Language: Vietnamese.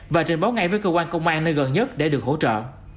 và trình báo ngay với cơ quan công an nơi gần nhất để được hỗ trợ